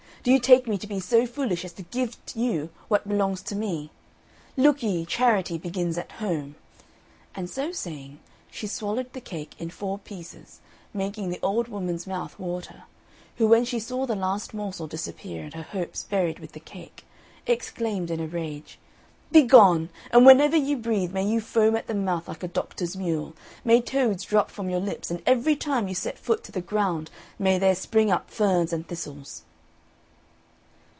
Do you take me to be so foolish as to give you what belongs to me? Look ye, charity begins at home." And so saying she swallowed the cake in four pieces, making the old woman's mouth water, who when she saw the last morsel disappear and her hopes buried with the cake, exclaimed in a rage, "Begone! and whenever you breathe may you foam at the mouth like a doctor's mule, may toads drop from your lips, and every time you set foot to the ground may there spring up ferns and thistles!"